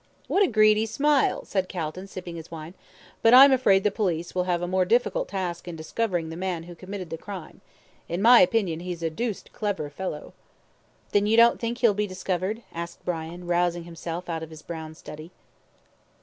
"What a greedy simile," said Calton, sipping his wine; "but I'm afraid the police will have a more difficult task in discovering the man who committed the crime. In my opinion he's a deuced clever fellow." "Then you don't think he will be discovered?" asked Brian, rousing himself out of his brown study.